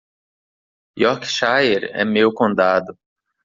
Yorkshire é meu condado.